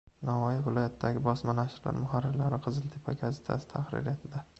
Navoiy viloyatidagi bosma nashrlar muharrirlari Qiziltepa gazetasi tahririyatida